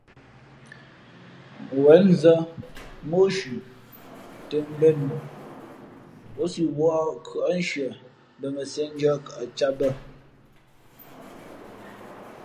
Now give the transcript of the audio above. Wěn nzᾱ mǒ shʉ̄ tᾱ mbēn moʼ, ǒ si wᾱʼ khʉάnshie mbα mα sīēndʉ̄ᾱ kαʼ cāt bᾱ.